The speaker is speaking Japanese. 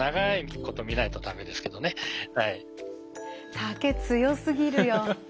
竹強すぎるよ。